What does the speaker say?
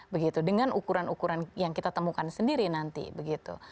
begitu dengan ukuran ukuran yang kita temukan sendiri nanti begitu